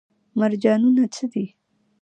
مرجانونه څه دي؟